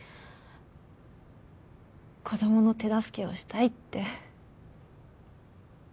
子どもの手助けをしたいって。